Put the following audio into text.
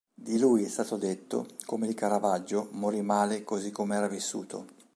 Di lui è stato detto, come di Caravaggio, "morì male così come era vissuto".